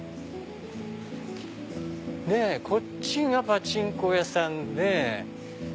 でこっちがパチンコ屋さんで。